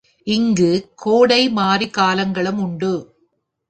இங்குக் கோடை, மாரிக் காலங்களும் உண்டு.